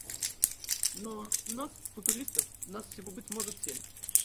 Но нас, футуристов, нас всего – быть может – семь.